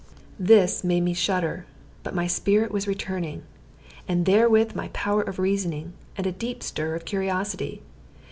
This made me shudder; but my spirit was returning, and therewith my power of reasoning, and a deep stir of curiosity.